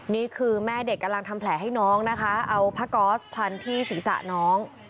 นี่คือแม่เด็กกำลังทำแผลให้น้องนะคะเอาผ้าก๊อสพลันที่ศีรษะน้อง